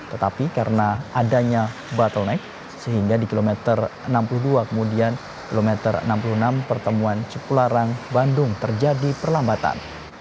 tetapi karena adanya bottleneck sehingga di kilometer enam puluh dua kemudian kilometer enam puluh enam pertemuan cipularang bandung terjadi perlambatan